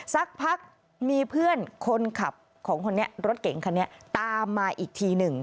สักพักมีเพื่อนคนขับของคนนี้รถเก่งคันนี้ตามมาอีกทีหนึ่ง